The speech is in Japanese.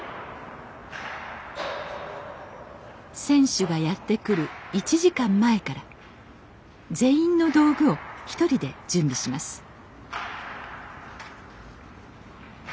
選手がやって来る１時間前から全員の道具を一人で準備します